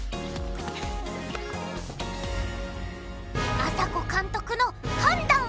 あさこ監督の判断は？